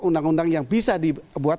undang undang yang bisa dibuat